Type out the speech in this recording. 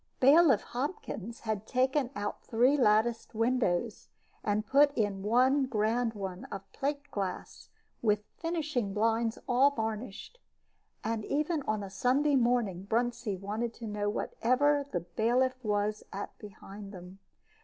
Bailiff Hopkins had taken out three latticed windows, and put in one grand one of plate glass, with "finishing" blinds all varnished. And even on a Sunday morning Bruntsea wanted to know what ever the bailiff was at behind them.